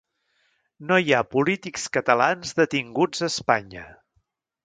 No hi ha polítics catalans detinguts a Espanya